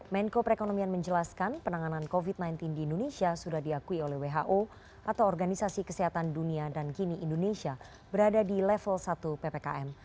menko perekonomian menjelaskan penanganan covid sembilan belas di indonesia sudah diakui oleh who atau organisasi kesehatan dunia dan kini indonesia berada di level satu ppkm